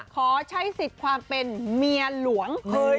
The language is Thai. ขอใช้สิทธิ์ความเป็นเมียหลวง